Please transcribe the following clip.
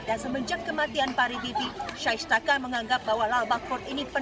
dan semenjak kematian paribibi shahistaghan menganggap bahwa lalbagh fort ini penuh